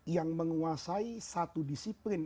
yang menguasai satu disiplin